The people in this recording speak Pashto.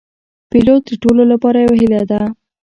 پیلوټ د ټولو لپاره یو هیله ده.